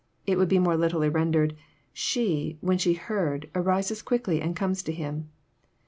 It would be more literally rendered, " She, when she heard, arises quickly and comes to Him.